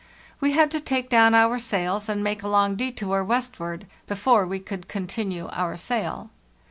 We had to take down our sails and make a long detour westward, before we could continue our sail.